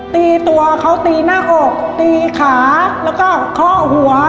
ตีตัวเขาตีหน้าอกตีขาแล้วก็เคาะหัว